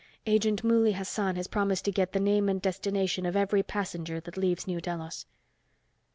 Agent Mouley Hassan has promised to get the name and destination of every passenger that leaves New Delos."